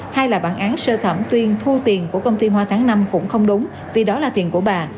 hai là bản án sơ thẩm tuyên thu tiền của công ty hoa tháng năm cũng không đúng vì đó là tiền của bà